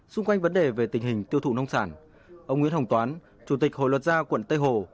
xung quanh vấn đề về tình hình tiêu thụ nông sản ông nguyễn hồng toán chủ tịch hội luật gia quận tây hồ